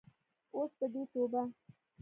اوس به دې توبه.